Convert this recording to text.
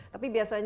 tapi biasanya kan